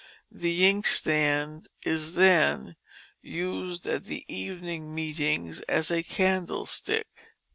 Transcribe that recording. The inkstand is then "used at the evening meetings as a candlestick."